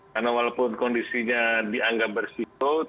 karena walaupun kondisinya dianggap bersih itu